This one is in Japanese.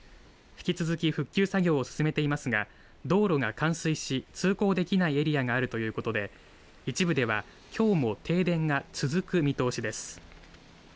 引き続き復旧作業を進めていますが道路が冠水し通行できないエリアがあるということで一部ではきょうも停電が続く見通しです。